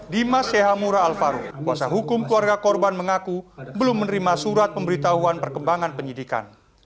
dimas syahamura alvaro kuasa hukum keluarga korban mengaku belum menerima surat pemberitahuan perkembangan penyidikan